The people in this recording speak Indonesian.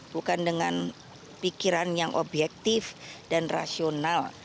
bukan dengan pikiran yang objektif dan rasional